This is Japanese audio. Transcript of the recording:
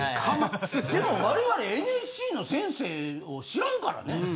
かます？でも我々ＮＳＣの先生を知らんからね。